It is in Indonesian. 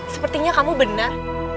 sepertinya kamu benar